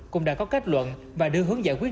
cũng đã có kết luận và đưa hướng giải quyết